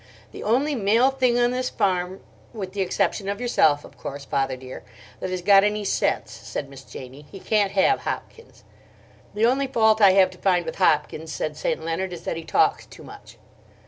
"The only male thing on this farm—with the exception of yourself, of course, father dear—that has got any sense," said Miss Janie. "He can't have Hopkins." "The only fault I have to find with Hopkins," said St. Leonard, "is that he talks too much."